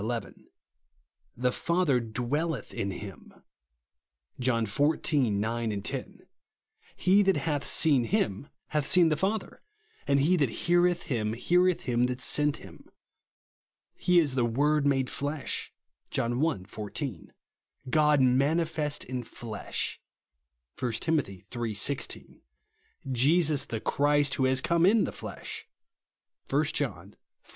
11); "the Father dwelleth in him" (John xiv. 9, 10); "he that hath seen him hath seen the Father ;" and "he that heareth him, heareth him that sent him." He is "the Word made flesh" (John i. 14); "God manifest in flesh" (1 Tim. iii. IC) ; "Jesus the Christ, who has come in the flesh" (1 John iv.